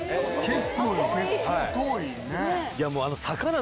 結構遠いね。